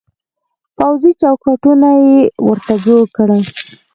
پوځي چوکاټونه يې ورته جوړ کړل.